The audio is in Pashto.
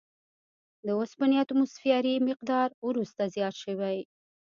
د اوسپنې اتوموسفیري مقدار وروسته زیات شوی.